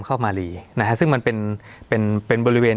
เข้ามารีนะครับซึ่งมันเป็นบริเวณ